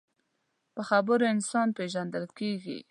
په خبرو انسان پیژندل کېږي